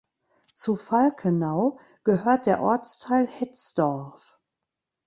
Zu Falkenau gehört der Ortsteil Hetzdorf.